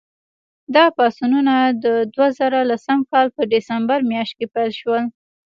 دا پاڅونونه د دوه زره لسم کال په ډسمبر میاشت کې پیل شول.